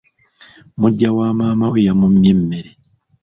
Muggya wa maama we yamummye emmere.